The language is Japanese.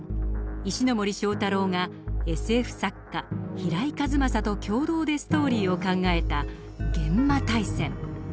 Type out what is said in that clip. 石森章太郎がＳＦ作家平井和正と共同でストーリーを考えた「幻魔大戦」。